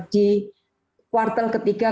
di kuartal ketiga